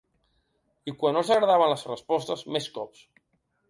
I quan no els agradaven les respostes, més cops.